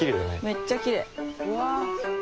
めっちゃきれい。